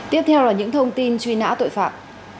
tiếp theo là những thông tin truy nã tội phạm